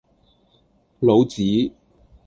老子